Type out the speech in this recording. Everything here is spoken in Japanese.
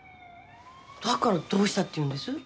だからどうしたっていうんです？